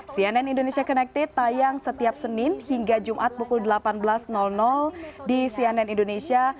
cnn indonesia connected tayang setiap senin hingga jumat pukul delapan belas di cnn indonesia